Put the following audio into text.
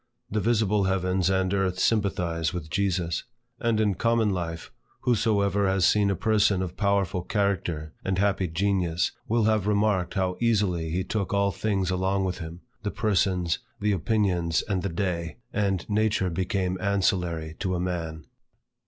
The visible heavens and earth sympathize with Jesus. And in common life, whosoever has seen a person of powerful character and happy genius, will have remarked how easily he took all things along with him, the persons, the opinions, and the day, and nature became ancillary to a man.